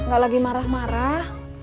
gak lagi marah marah